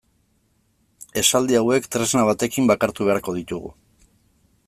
Esaldi hauek tresna batekin bakartu beharko ditugu.